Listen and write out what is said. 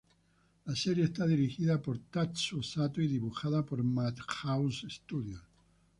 La serie está dirigida por Tatsuo Sato y dibujada por Madhouse Studios.